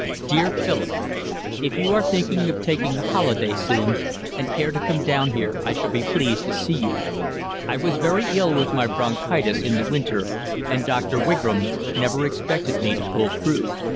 Dear Philip, If you are thinking of taking a holiday soon and care to come down here I shall be pleased to see you. I was very ill with my bronchitis in the winter and Doctor Wigram never expected me to pull through.